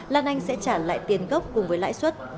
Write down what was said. lan anh sẽ trả lại tiền gốc cùng với lãi suất